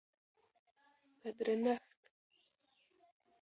په درنښت